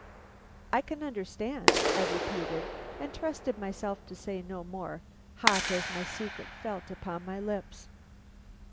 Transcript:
"I can understand," I repeated, and trusted myself to say no more, hot as my secret felt upon my lips.